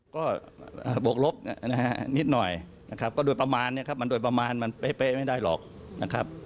ก็บวกลบนะฮะนิดหน่อยนะครับก็โดยประมาณเนี่ยครับมันโดยประมาณมันเป๊ะไม่ได้หรอกนะครับ